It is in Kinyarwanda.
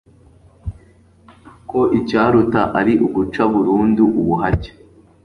ko icyaruta ari uguca burundu ubuhake